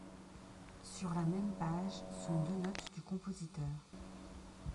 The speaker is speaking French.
Sur la même page sont deux notes du compositeur.